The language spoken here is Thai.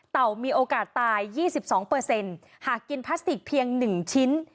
มีโอกาสตาย๒๒หากกินพลาสติกเพียง๑ชิ้น